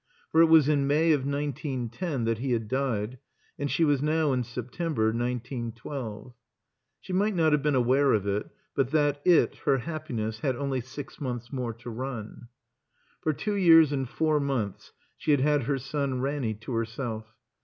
For it was in May of nineteen ten that he had died, and she was now in September nineteen twelve. She might not have been aware of it but that it, her happiness, had only six months more to run. For two years and four months she had had her son Ranny to herself.